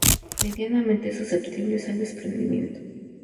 Medianamente susceptibles al desprendimiento.